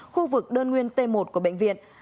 khu vực đơn nguyên t một của bệnh viện